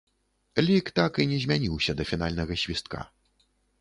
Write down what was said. Лік так і не змяніўся да фінальнага свістка.